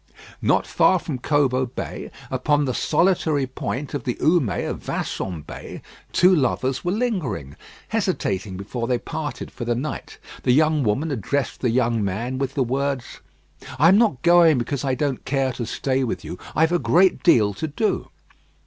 Not far from Cobo Bay, upon the solitary point of the Houmet of Vason Bay, two lovers were lingering, hesitating before they parted for the night. The young woman addressed the young man with the words, "I am not going because I don't care to stay with you: I've a great deal to do."